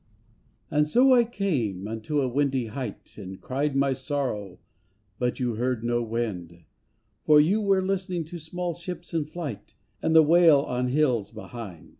And so, I came unto a windy height And cried my sorrow, but you heard no wind. For you were listening to small ships in flight, And the wail on hills behind.